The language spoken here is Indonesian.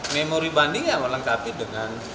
memori banding yang melengkapi dengan